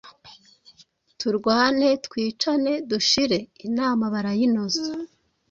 turwane twicane dushire. Inama barayinoza